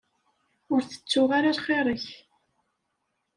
Ur tettuɣ ara lxir-ik.